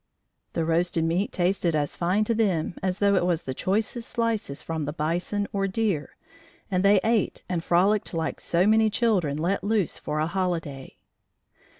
The roasted meat tasted as fine to them as though it was the choicest slices from the bison or deer, and they ate and frolicked like so many children let loose for a holiday.